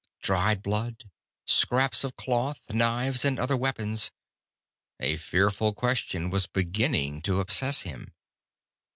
Dried blood, scraps of cloth, knives and other weapons. A fearful question was beginning to obsess him.